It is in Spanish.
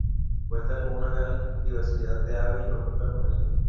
Cuenta con una gran diversidad de aves y mamíferos marinos.